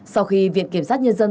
sau khi viện kiểm sát nhân dân